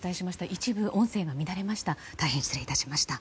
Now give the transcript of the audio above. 一部、音声が乱れました。